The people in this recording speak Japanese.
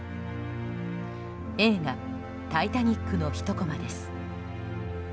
映画「タイタニック」のひとこまです。